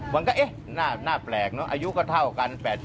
วันแม่หน้าแปลกอายุเท่ากัน๘๑